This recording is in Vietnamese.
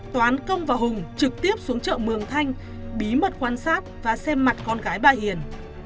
toán công và hùng trực tiếp xuống chợ mường thanh bí mật quan sát và xem mặt con gái bà hiền